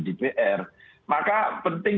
dpr maka penting